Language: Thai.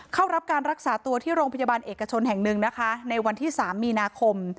เข้ารับการรักษาตัวที่โรงพยาบาลเอกชนแห่งหนึ่งนะคะในวันที่๓มีนาคม